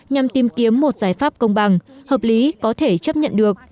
nhằm tìm kiếm một giải pháp công bằng hợp lý có thể chấp nhận được